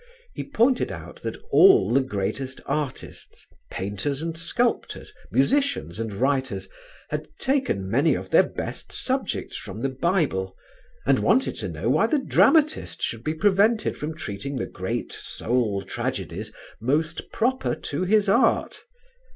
He pointed out that all the greatest artists painters and sculptors, musicians and writers had taken many of their best subjects from the Bible, and wanted to know why the dramatist should be prevented from treating the great soul tragedies most proper to his art.